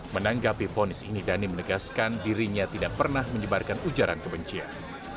menanggapi fonis ini dhani menegaskan dirinya tidak pernah menyebarkan ujaran kebencian